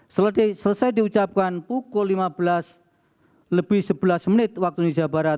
selesai diucapkan pukul lima belas lebih sebelas menit waktu indonesia barat